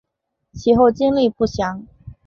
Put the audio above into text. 其后经历不详。